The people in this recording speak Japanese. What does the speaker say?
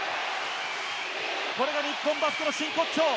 これが日本バスケの真骨頂。